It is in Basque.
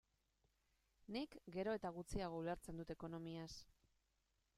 Nik gero eta gutxiago ulertzen dut ekonomiaz.